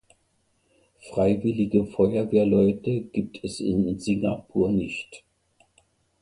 Freiwillige Feuerwehrleute gibt es in Singapur nicht.